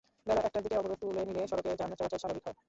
বেলা একটার দিকে অবরোধ তুলে নিলে সড়কে যান চলাচল স্বাভাবিক হয়।